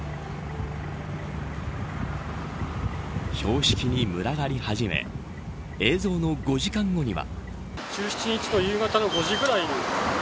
標識に群がり始め映像の５時間後には。